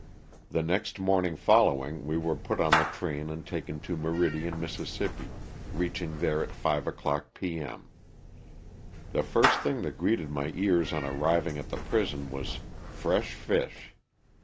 The next morning following we were put on the train and taken to Meridian, Miss., reaching there at five o'clock p. m. The first thing that greeted my ears on arriving at the prison was "fresh fish.''